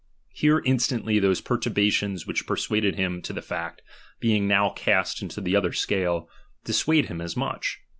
Here instantly ~*i.hose perturbations which persuaded him to the r^Eact, being now cast into the other scale, dissuade IMnim as much.